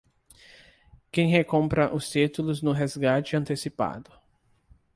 Quem recompra os títulos no resgate antecipado